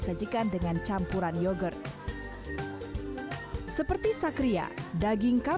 makannya ozi sebenarnya